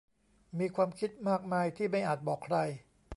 มีความคิดมากมายที่ไม่อาจบอกใคร